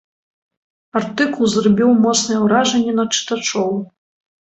Артыкул зрабіў моцнае ўражанне на чытачоў.